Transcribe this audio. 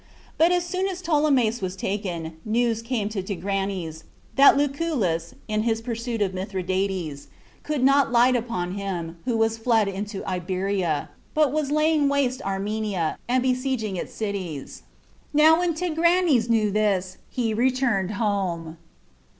But as soon as Ptolemais was taken, news came to Tigranes, that Lucullus, in his pursuit of Mithridates, could not light upon him, who was fled into Iberia, but was laying waste Armenia, and besieging its cities. Now when Tigranes knew this, he returned home.